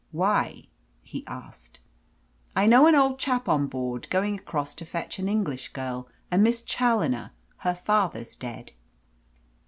"Why?" he asked. "I know an old chap on board going across to fetch an English girl, a Miss Challoner. Her father's dead."